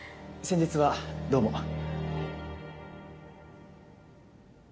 先日はどうも。